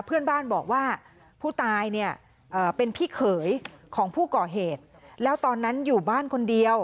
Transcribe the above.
เพื่อนบ้านบอกว่าผู้ตายเนี่ยเป็นพี่เขยของผู้ก่อเหตุแล้วตอนนั้นอยู่บ้านคนเดียว